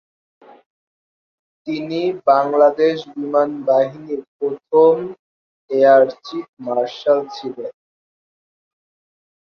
তিনি বাংলাদেশ বিমান বাহিনীর প্রথম এয়ার চীফ মার্শাল ছিলেন।